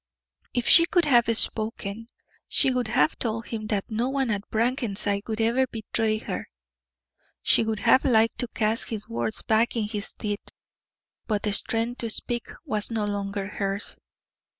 If she could have spoken, she would have told him that no one at Brackenside would ever betray her; she would have liked to cast his words back in his teeth, but the strength to speak was no longer hers.